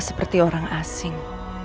seperti orang asing